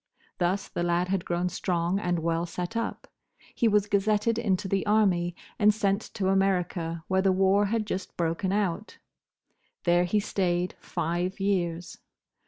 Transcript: Thus the lad had grown strong and well set up. He was gazetted into the Army, and sent to America, where the war had just broken out. There he stayed five years.